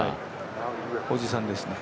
おじさんですね。